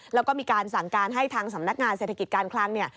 แล้วก็มีการสั่งการให้ทางสำนักงานเศรษฐกิจการคลังเนี่ย